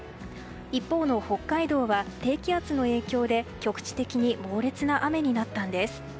一方の北海道は低気圧の影響で局地的に猛烈な雨になったんです。